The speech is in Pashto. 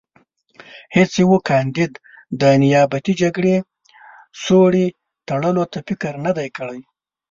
هېڅ یوه کاندید د نیابتي جګړې سوړې تړلو ته فکر نه دی کړی.